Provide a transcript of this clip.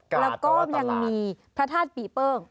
แล้วก็ยังมีพระธาตุปีเปิ้ง